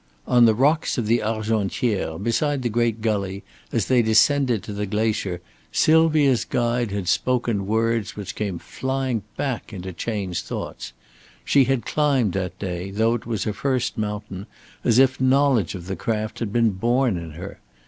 On the rocks of the Argentière, beside the great gully, as they descended to the glacier, Sylvia's guide had spoken words which came flying back into Chayne's thoughts. She had climbed that day, though it was her first mountain, as if knowledge of the craft had been born in her.